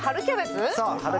そう春キャベツ。